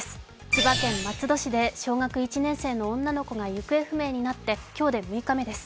千葉県松戸市で小学１年生の女の子が行方不明になって今日で６日目です。